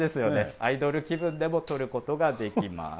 アイドル気分でも撮ることができます。